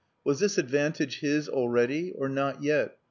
Was this advantage his already? Or not yet?